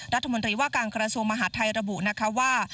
รัฐมนตรีว่าการกระทรวงมหาดไทยระบุนะคะว่า